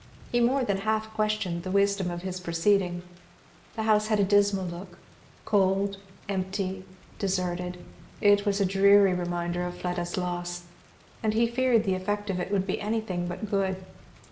He more than half questioned the wisdom of his proceeding. The house had a dismal look; cold, empty, deserted, it was a dreary reminder of Fleda's loss, and he feared the effect of it would be anything but good.